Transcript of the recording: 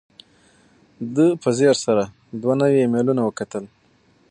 ده په ځیر سره دوه نوي ایمیلونه وکتل.